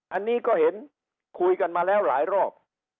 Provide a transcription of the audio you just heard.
อันนี้ก็เห็นคุยกันมาแล้วหลายรอบ